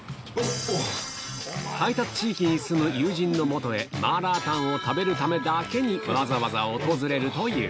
配達地域に住む友人のもとへ、麻辣湯を食べるためだけに、わざわざ訪れるという。